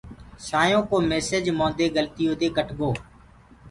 سآئينٚ يو ڪو ميسيج موندي گلتيو دي ڪٽ گو۔